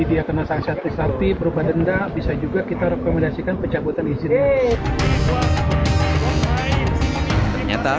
dia kena sanksi artis arti berubah denda bisa juga kita rekomendasikan pencabutan izin ternyata